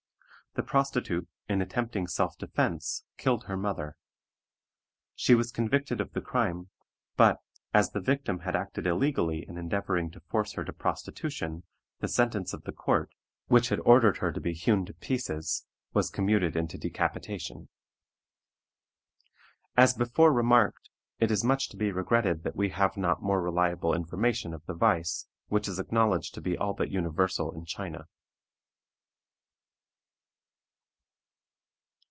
The prostitute, in attempting self defense, killed her mother. She was convicted of the crime, but, as the victim had acted illegally in endeavoring to force her to prostitution, the sentence of the court, which had ordered her to be hewn to pieces, was commuted into decapitation. As before remarked, it is much to be regretted that we have not more reliable information of the vice, which is acknowledged to be all but universal in China.